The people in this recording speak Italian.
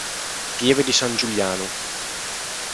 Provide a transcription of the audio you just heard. Pieve di San Giuliano